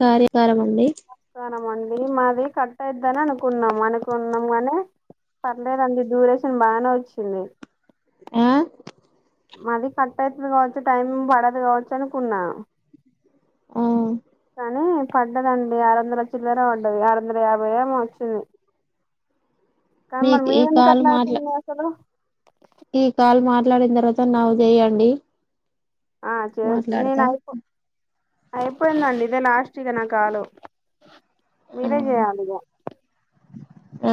కార్యకారం అండి ఇది కట్ అయిదని అనుకున్నాము అనుకున్నాము నే పర్లేదండి డూరేషన్ బాగానే వచ్చింది ఆ మది కట్ అవుతది కావచ్చు టైం పడదు కావచ్చు అనుకున్నా ఆ కానీ పడ్డదండి ఆరు వందల చిల్లర పడ్డది ఆరు వందల యాభై ఏమో వచ్చింది కా మరి మీకు మీ ఈ ఏన్న కాల్ కట్న్నా మాట్లా అయితు అసలు ఈ కాల్ మాట్లాడిన తర్వాత నావి చేయండి ఆ చే నేను మాట్లాడతా అయిపో అయిపోయిందండి ఇదే లాస్ట్ ఇక నా కాలు ఆ మీరే చేయాలి ఇగా ఆ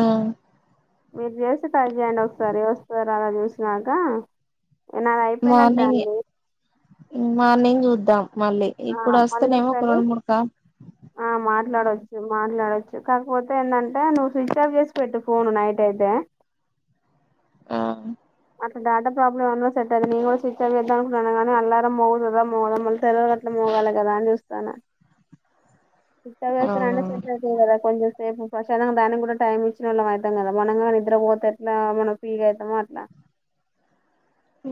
మీరు చేసి ట్రై చేయండి ఒకసారి వస్తార అలా చూసినాక నాది అయిపోయినట్టే మార్నింగ్యే అండి మార్నింగ్ ఉ మళ్ళీ ఆ ఇప్పుడు మళ్ళీ వస్తానేమో ఒక ఒకసారి రెండు [unintelligible] మూడు కా ఆ మాట్లాడొచ్చు మాట్లాడొచ్చు కాకపోతే ఏంటంటే నువ్వు స్విచ్ ఆఫ్ చేసి పెట్టు ఫోను నైట్ అయితే ఆ అట్లా డట ప్రాబ్లమ్ ఏమన్నన్నా సెట్ అయి నేను కూడా స్విచ్ అని చేద్దానుకుున్నాను కానీ అల్లారం మోగుతుదా మోదాం మళ్ళీ తెల్లర‌ అట్లా మోగాలి కదా అని చూస్తాను స్విచ్ ఆఫ్ చేస్తారు అన్నీ కదా కొంచెం సేపు ప్రస అ దానికి కూడా టైం ఇచ్చిన వాళ్ళం అవుతాం కదా మనం కా నిద్రపోతే ఎట్లా మనం ఫీగా అవుతామో అట్లా ఉ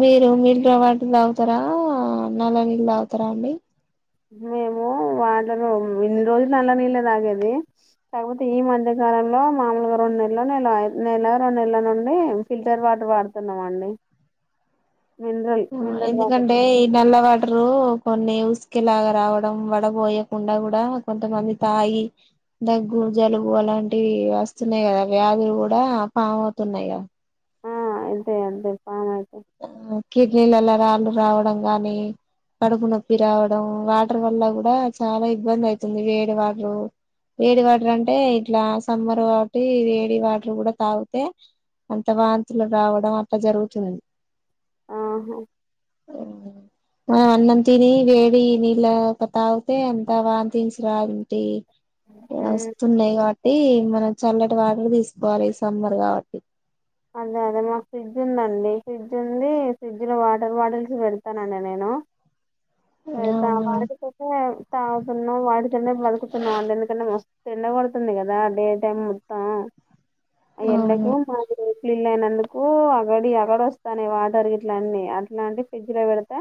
మీరు మినరలవాటర్ తాగుతారా నల నీళ్ళ తాగుతారా అండి మేము వాటర్ ఇన్ని రోజులు నల్ల నీళ్ళ తాగేది కాకపోతే ఈ మధ్యకాలంలో మామలుగా రెండు నెలలు నెల నెల రెండు నెలల నుండి ఫిల్టర్ వాటర్ వాడుతున్నామ అండి మినరల్ మినరల్ వాటర్ ఎందుకంటే ఈ నల్ల వాటరు కొన్ని ఉసుకేలాగా రావడం వడబయకుండా కూడా కొంతమంది తాగి దగ్గు జలుబు అలాంటివి వస్తున్నాయి కదా వ్యాధులు కూడా ఫామ్ అవుతున్నాయి కదా అదే అదే పా కదా కిడ్నీలలో రాళ్ళు రావడం గాని కడుపు నొప్పి రావడం వాటర్ వల్ల కూడా చాలా ఇబ్బంది అయితుంది వేడి వాటర్ వేడి వాటర్ అంటే ఇట్లా సమ్మర్ కాబట్టి వేడి వాటర్ కూడా తాగితే అంత వాంతులు రావడం అట్లా జరుగుతుంది ఆహ అన్నం తిని వేడి నీళ్ళ తాగితే అంత వాంతిసి రాంటి ఉమ్, వస్తున్నాయి కాబట్టి మన చల్లటి వాటర్ తీసుకోవాలి ఈ సమ్మర్ కాబట్టి అదే అదే మాకు ఫ్రిడ్జ్ ఉందండి ఫ్రిడ్జ్ ఉంది ఫ్రిడ్జ్లో వాటర్ బాటిల్స్ పెడతానండి నేను అవునా పెడా వాడుకద తాన్నా వాడు బతుకుతున్నాం ఎందుకంటే మస్తుం ఎండబడుతుంది కదా డే టైమ్ మొత్తం అవును ఎండకు పళ్ళ అయినందుకు అక్కడి అక్కడ వస్తానే వాటర్ ఇల అన్నీ అట్లాంటివి ఫ్రిడ్జ్లో పెడితే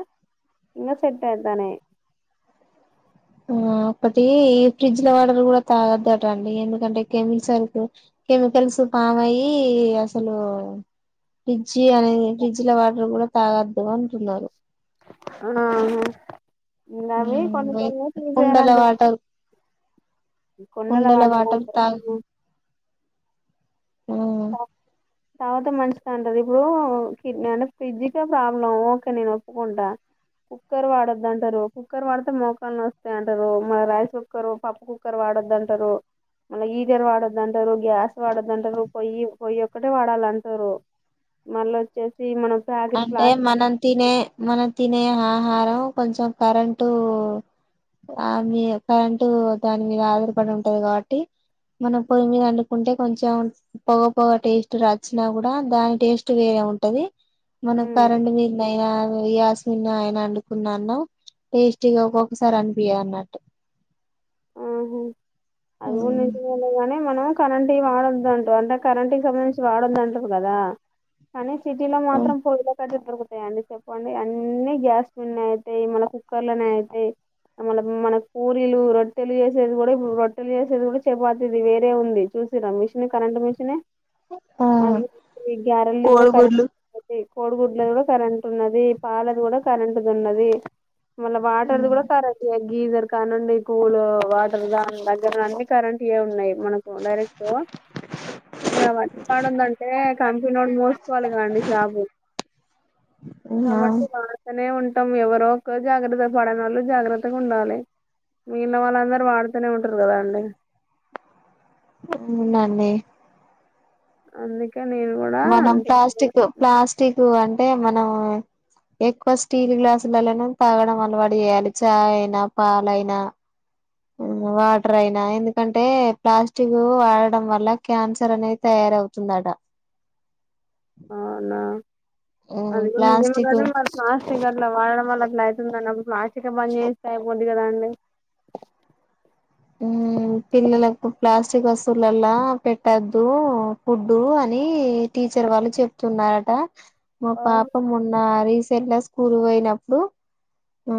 ఇంకా సెట్ అయితానేయి ఆ అప్పటి ఈ ఫ్రిడ్జ్ లో వాటర్ కూడా తాగొదుట అండి ఎందుకంటే కెమిికస్ కెమికల్స్ పామ్ అయ్యి అసలు ఫ్రిడ్జ్ చీ అనేది ఫ్రిడ్జ్ లో వాటర్ కూడా తాగ అర్ద్దగా అంటున్నారు ఆ ఇమీ కొన్ని కొన్నిసయాల కుండల వాటర్ కొన్నల కుండల మాట వాటర్ తాగు తావాతే మంచిది అంటారు ఇప్పుడు కిడ్ అంటే ఫ్రిడ్జ్కే ప్రాబ్లం ఓకే నేను ఒప్పుకుంటా కుక్కర్ వాడొద్దుంటారు కుక్కర్ వాడితే మోకాని వస్తాయి అంటారు మళ్ రైస్ కుక్కర్ పప్పు కుక్కర్ వాడొద్దుంటారు మళ్ళీ హీటర్ వాడొద్దంటారు గ్యాస్ వాడొద్దంటారు పయ్యి పయ్యి ఒక్కటే వాడాల అంటారు మళ్ళ వచ్చేసి మనం ప్యాకెట్ అంటే ప్లాస్టిక్ మనం తినే మనం తినే ఆహారం కొంచెం కరెంటు ఆ మీ కరెంటు దాని మీద ఆధారపడి ఉంటది కాబట్టి మనం పొయ్యి మీద అండుకుంటే కొంచెం పొగ పొగ టేస్ట్ రాచ్చినా కూడా దాని టేస్ట్ వేరే ఉంటది మనకు మ్మ్ కరెంట్ బీల్ అయినా న్న ఆయన అనుకున్నాను టేస్టీగా ఒక్కొక్కసారి అనిపించ అన్నట్టు ఆహా అది నుంచిలగానే మనం కరెంటట్ వాడొద్ంటాం అంటే కరెంటట్ సంబంధించి వాడొద్ంటవు కదా కానీ సిటీలో ఉమ్ మాత్రం పోయి క దొరుకుతాయిడి చెప్పండి అన్ని గ్యాస్ పన్న అయితాయి మన కుక్కర్ లోనే అయితాయి మ మన కూలీలు రొ తెలు చేసేది కూడా ఇప్పుడు రొట్టెలు చేసేది కూడా చేపతుది వేరే ఉంది చూసిరా మిషన్ కరెంట్ మెషన్ే ఆ అదిే గ్యారల్ కూడా కరెంట్ కోడిగుడ్లు అ కోడిగుడ్లో కూడా కరెం కున్నది పాలది కూడా కరెంటట్ది ఉన్నది మళ్ళ వాటర్ ద కూడా ఉమ్ సరా గీజర్ కానం పూలు వాటర్ ద దగ్గర అన్నీ కరెంట్ ఇవ ఉన్నాయి మనకు డైరెక్ట్ ఇకా అవన్నీ వాడుందంటే కంపెనీడు మోసుకోవాలి కాండి జాబు ఆ కాబట్టి వాడుతనే ఉంట మం ఎవరో జాగ్రత్త పడన వాళ్ళు జాగ్రత్తగా ఉండాలి మిగిలిన వాళ్ళందరూ వాడుతూనే ఉంటారు కదా అండి [inaudible] నన్నే అందు మనం ప్లాస్టిక్ ప్లాస్టిక్ అన్ అంటే మనం ఎక్కువ స్టీల్ గ్లాసులలోనే తాగడం అలవాటు చేయాలి చాయ్ అయినా పాాలయినా వాటర్ అయినా ఎందుకంటే ప్లాస్టిక్ వాడడం వల్ల క్యాన్సర్ అనేది తయారవుతుందట అనా అది కూడా నిజమే ప్లాస్టిక్ గానీ మా [inaudible] అట్లా వాడడం వల్ల అట్లా అవుతుందండి అది ప్లాస్టిక్ పని చేస్తే అయిపోద్ది కదాండి ఊ పిల్లలకు క్లాస్ చ్చి వస్తువులల్లా పెట్టద్దు ఫుడ్డు అని టీచర్ వాళ్ళు చెప్తున్నారట మా పాప మున్నారి సర్లా స్కూల్ పోయినప్పుడు ఆ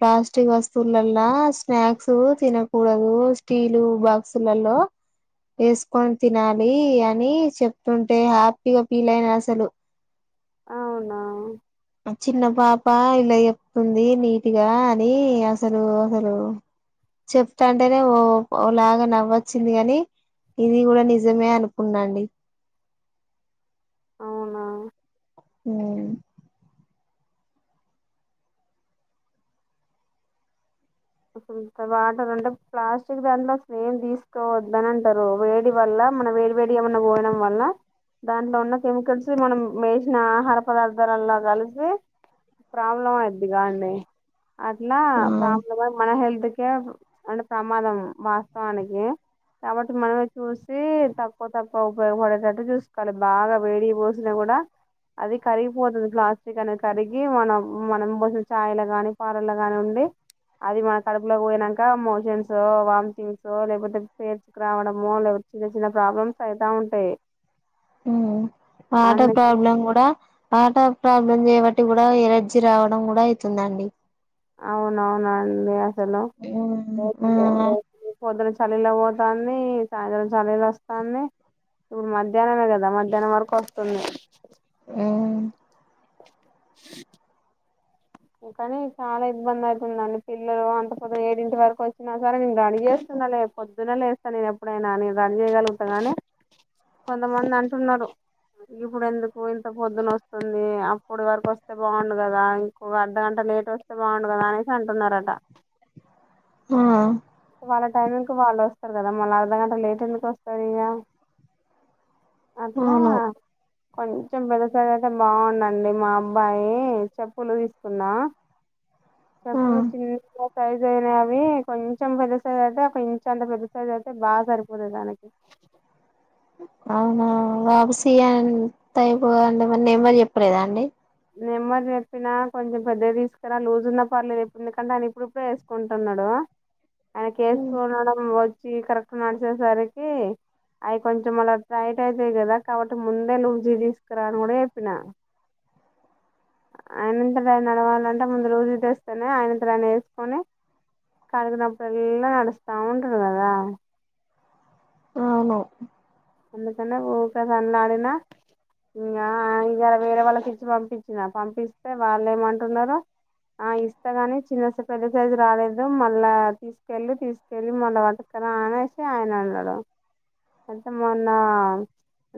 ప్లాస్టిక్ వస్ సుల్లల్లా స్నాక్సు తిన కూూడదు స్టీలు బాక్సులలో వేసుకొని తినాలి అని చెప్తుంటే హ్యాపీగా ఫీల్ అయినా అసలు అవునా చిన్న పాప ఇలా చెప్తుంది నీటుగా అని అసలు అసలు చెప్తాంటేనే ఓ ఓలాగా నవ్వొచ్చింది గాని ఇది కూడా నిజమే అనుకున్నాండి అవునా ఊ ఇప్పుడు ఇంత వాటర్ అంటే ప్లాస్టిక్ దాంట్లో అసలు ఏం తీసుకోవద్దని అంటారు వేడి వల్ల మనం వేడి వేడి ఏమన్నా పోయడం వల్ల దాంట్లో ఉన్న కెమికల్స్ మనం వేసిన ఆహార పదార్థాలల్లో కలిసి ప్రాబ్లం అవుద్ది కాండి అట్లా ఆ ప్రా మన హెల్త్కే అంటే ప్రమాదం వాస్తవానికి కాబట్టి మనమే చూసి తక్కువ తక్కువ ఉపయోగపడేటట్టు చూసుకోవాలి బాగా వేడిగ పోసిన కూడా అది కరిగిపోతుది ప్లాస్టిక్ అని కరిగి మనం మనం పోసిన ఛాయ్ లుమ కానీ పాలల్లో కాని ఉండి అది మన కడుపులో పోయినాంక మోషన్స్ వామిటింగ్స్ లేకపోతే పేర్చుకు రావడమో లేకపోతే చిన్న చిన్న ప్రాబ్లమ్స్ అయితా ఉంటాయి వాట అన్ని ప్రాబ్లం కూడా పాట ప్రాబ్లమ్స్బట్టి కూడా ఎలర్జీ రావడం కూడా అవుతుందండి అవునవున అండి చలో ఆ ఆ చలిలో పోతాని సాయంత్రం చలిళ వస్తాంది ఇప్పుడు మధ్యాహ్నమే కదా మధ్యాహ్నం వరకు వస్తుంది ఆ ఇం కాని చాలా ఇబ్బంది అవుతుందండి పిల్లలు అంత కొద్ద ఏడింటి వరకు వచ్చినా సరే నేను రని చేస్తున్నా లే పొద్దున లేస్తాను నేను ఎప్పుడైనా నేను రని చేయగలుగుతాగాని కొంతమంది అంటున్నారు ఇప్పుడు ఎందుకు ఇంత పొద్దున వస్తుంది అప్పుడు వరకు వస్తే బాగుండు కదా అర్ధగంట లేట్ వస్తే బాగుండు కదా అనేసి అంటున్నారట ఆ కవాలా టైమంగ్ కవాల స్తారు కదా మళ్ళీ అర్ధగంట లేట్ ఎందుకు వస్తారు ఇక అలా అవును కొంచెం పిలిసది అయితే బాగుండండి మా అబ్బాయి చెప్ పులు తీసుకున్నా చెప్పులు ఆ చిన్న సైజ్ అయినా అవి కొంచెం పెద్ద సైజ అయితే కొంచ అంత పెద్ద సైజ్ అయితే బాగా సరిపోతు దానికి అవునా వాపుసీంత అయిపోవండి మరి నేమరి చెప్పలేదా అండి నెమ్మది చెప్పినా కొంచెం పెద్దది తీసుకురా లజ్ ఉంద పర్లేదు ఎప్పుడు ఎందుకంటే ఆయన ఇప్పుడుప్పుడే వేసుకుంటున్నాడు అన కేేసుకోడం చ కరెక్ట్ నడిచేసరికి అవి కొంచెం అళ్ళ టైట్ అయితాయి కదా కాబట్టి ముందే లూ్జీ తీసుకురాని కూడా చెప్పినా ఆయనంతట నడవాలంటే ముందు రోజు తెస్తేనే ఆయనంత్రానే వేసుకొని కలికినప్పుడులా నడుస్తా ఉంటారు కదా అవును అందుకనే ఊ కదనిలా ఆడినా ఇం ఇ వేరే వాళ్ళకి ఇచ్చి పంపించినా పంపిస్తే వాళ్ళు ఏమంటున్నారో ఆ ఇస్తా కాని చిన్న పెద్ద సైజు రాలేదు మళ్ళా తీసుకెళ్ళి తీసుకెళ్ళి మళ్ళీ వత కదా అనేసి ఆయన అన్నాడు ఇమొన్న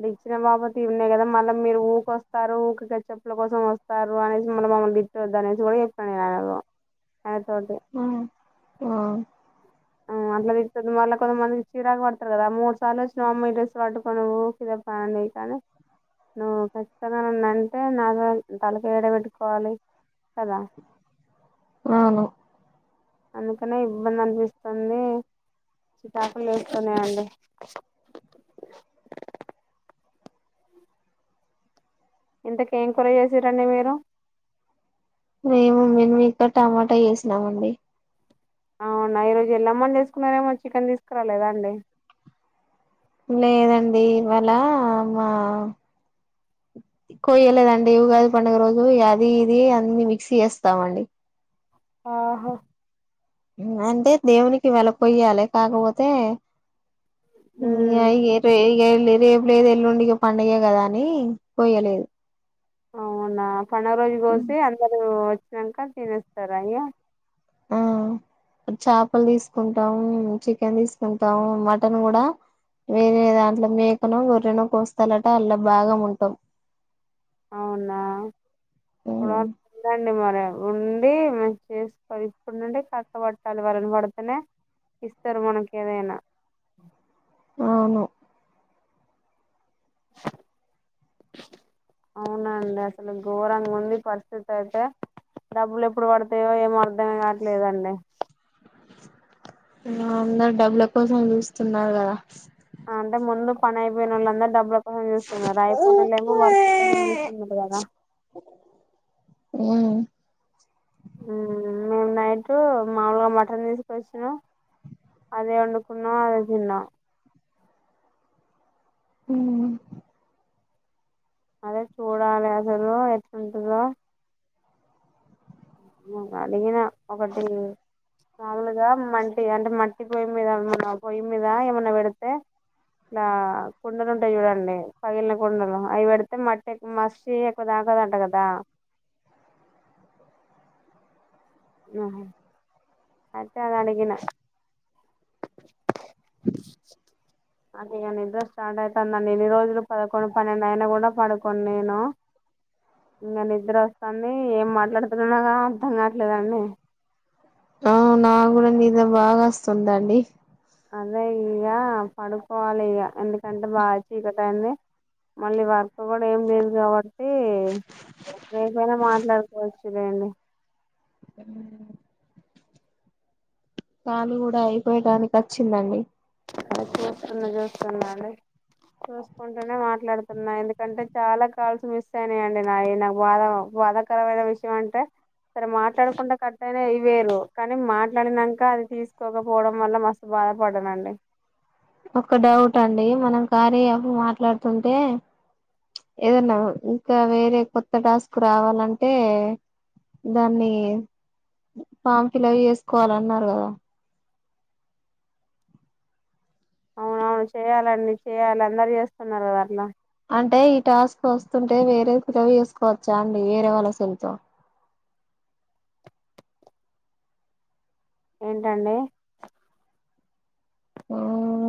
అంటే ఇచ్చిన బాబు త ఉన్నాయి కదా మళ్ళీ మీరు ఊకొస్తారు ఊకి చెప్పుల కోసం వస్తారు అనేసి మళ్ళీ మమ్మల్ని గిట్ వద్ద అనేసి కూడా చెప్పాను నేను అ అ ఆ అట్లా తితుంది మళ్ళీ కొంతమందికి చీరాకు పడతారు కదా మూడు సార్లు వచ్చిినవ్ అమ్మాయి డ్రెస్లు పట్టుకో నువ్వు కదప్పండిని నువ్వు ఖచ్చంగా అంటే నాతో తలపై ఏడ పెెట్టుకోవాలి అవును అందుకనే ఇబ్బంది అనిపిస్తుంది చటాకులు వస్తూనే అండి ఇంతకేం కూర చేసారంండి మీరు మేము మేము ఇక్క టమాటా వేసినామండి అవునా ఈ రోజు ఎల్లమ్మని చేసుకున్నారేమో చికెన్ తీసుకురేదా అండి లేదండి ఇవాళ మా కొయ్యలేదండి ఇవి కాదు పండుగ రోజు అది ఇది అన్ని మిక్సీ చేస్తామ అండి ఆహో అంటే దేవునికి వెళ్ళకయ్యాలి కాకపోతే న ఉమ్, అయిగరు ళ్ళి రేపు లేదు ఎల్లుండికి పంండగ కదా అని పోయలేదు అవునా పడుగ రోజు కోసి అందరుూ వచ్చాక తినేస్తారుా అయ్యా ఆ చేపలు తీసుకుంటాము చికెన్ తీసుకుంటాము మటన్ కూడా వేరే దాంట్లో మేకనో గొర్రెనో కోస్తాలట అలా బాగా ఉంటాం అవునా అప్పుడు పిండి మరె ఉండి మ చేసుకోవాలి ఇప్పుడు నుండి కక్క పట్టాలి వలన పడితేనే ఇస్తారు మనకి ఏదైనా. అవును అవునండి అసలు ఘోరంగా ఉంది పరిస్థితి అయితే డబ్బులు ఎప్పుడు పడతాయో ఏమో అర్థమే కావట్లేదండి. మ్మ్ అందరు డబ్బుల కోసం చూస్తున్నారు కదా అంటే ముందు పని అయిపోయినోళ్ళందరు డబ్బు కోసం చూస్తున్నారు అయిపోనొళ్లు ఏమో వర్క్ కొంచం చూస్తున్నారు కదా అ మేము నైట్ మాముూలుగా మటన్ తీసుకొచ్చినాం అదే వండుకున్నాం అదే తిన్నాం హ అదే చూడాలి అసలు ఎట్ ఉంటంద అడిగిన ఒకటి మాములుగా మంటి అంటే మట్టి పొయ్యి ఏమైన్నా పెడితే ఇలా కుండలు ఉంటాయి చూడండి పగిలిన కుండలు అవి పెడితే మట్టి ఎక్కువ మసి ఎక్కువ తాకదంట కదా ఆ అట్టే అడిగిన అది ఇక నిద్ర స్టార్ట్ అవుతుందండి ఎన్ని రోజులు పదకొండు పన్నెండు అయినా కూడా పడుకోను నేను ఇంకా నిద్ర వస్తాంది ఏం మాట్లాడుతున్నానోగా అర్థం కావట్లేదండి ఆ నా కూడా నీద బాగా వస్తుందండి అదే ఇక పడుకోవాలి ఇక అంటే బాగా చీకటి అయింది మళ్ళీ వర్కు కూడా ఏం లేదు కాబట్టి అతే రేపైనా మాట్లాడుకోవచ్చు సరెండీ [inaudible] నా కూడా అయిపోయటానికి వచ్చిందండి ద చూస్తున్నా చూస్తున్నాండి చూసుకుంటూనే మాట్లాడుతున్నా ఎందుకంటే చాలా కాల్స్ మిస్ అయినాయండి నా నాకు బాధ బాధాకరమైన విషయం అంటే సరే మాట్లాడుకుంటే కట్ అయినా ఇ వేరు కానీ మాట్లాడినాక అది తీసుకోకపోవడం వల్ల మస్తు బాధపడనండి ఒక డౌట్ అండి మనం కార్యయాపు మాట్లాడుతుంటే ఏదన్నా ఇంకా వేరే కొత్త టాస్క్ రావాలంటే దాన్ని ఫామ్ ఫిల్ప్ చేసుకోవాలన్నారు కదా అవునవును చేయాలండి చేయాలి అందరు చేస్తున్నారు కదా అట్లా అంటే ఈ టాస్క్ వస్తుంటే వేరే ఫిల్ అప్ చేసుకోవచ్చా అండి వేరే వాళ్ళ సెల్తో ఏంటండి ఆ